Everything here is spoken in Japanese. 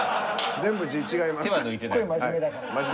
全部字違います。